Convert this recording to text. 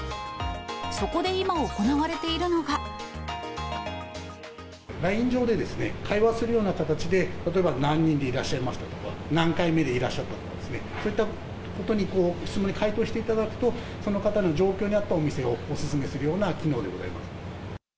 そこで今、ＬＩＮＥ上で会話するような形で、例えば何人でいらっしゃいますか？とか、何回目でいらっしゃったとかそういったことに、質問に回答していただくと、その方の状況に合ったお店を、お勧めするような機能でございま